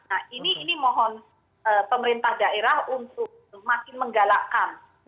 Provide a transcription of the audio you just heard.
nah ini mohon pemerintah daerah untuk makin menggalakkan